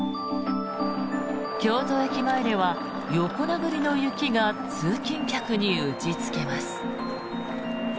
京都駅前では横殴りの雪が通勤客に打ちつけます。